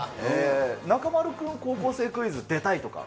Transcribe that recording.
中丸君、高校生クイズ出たいとか？